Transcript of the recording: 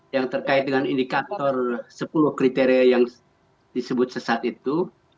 yang terkait dengan indikator sepuluh kriteria yang disebut sesat itu